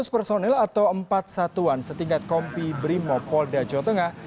lima ratus personel atau empat satuan setingkat kompi brimopolda jawa tengah